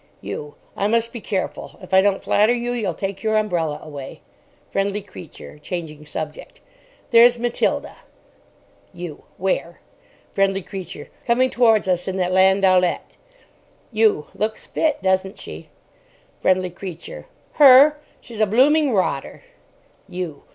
YOU. I must be careful. If I don't flatter you, you'll take your umbrella away. FRIENDLY CREATURE (changing subject). There's Matilda. YOU. Where? FRIENDLY CREATURE. Coming towards us in that landaulette. YOU. Looks fit, doesn't she? FRIENDLY CREATURE. Her! She's a blooming rotter. YOU.